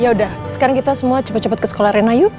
ya udah sekarang kita semua cepat cepat ke sekolah rena yuk